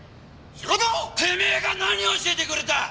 てめえが何を教えてくれた！